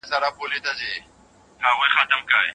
که صبر وي نو کار نه خرابیږي.